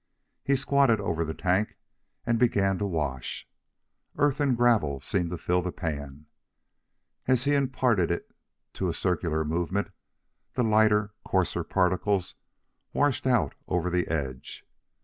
He squatted over the tank and began to wash. Earth and gravel seemed to fill the pan. As he imparted to it a circular movement, the lighter, coarser particles washed out over the edge.